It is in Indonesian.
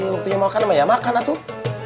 waktunya mau makan mah ya makan atuh